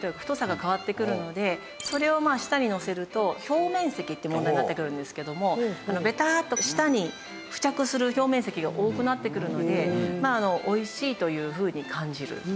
太さが変わってくるのでそれを舌にのせると表面積って問題になってくるんですけどもベターッと舌に付着する表面積が多くなってくるのでおいしいというふうに感じる。